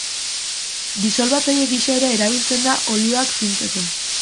Disolbatzaile gisa ere erabiltzen da olioak fintzeko.